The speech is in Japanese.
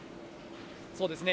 そうですね。